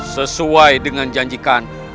sesuai dengan janjikan